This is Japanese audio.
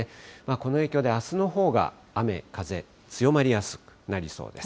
この影響であすのほうが雨、風強まりやすくなりそうです。